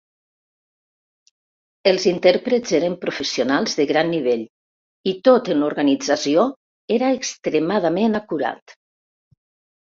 Els intèrprets eren professionals de gran nivell i tot en l'organització era extremadament acurat.